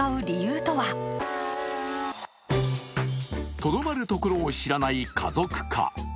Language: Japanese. とどまるところを知らない家族化。